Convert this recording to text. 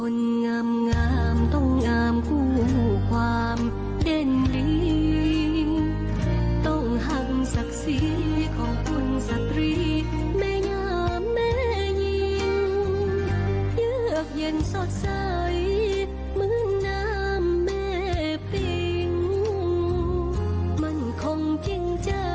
เย็บเย็นสดท้ายเมืองนามแม่ปิ่งมันของจริงใจฮักลายหรทิ่ง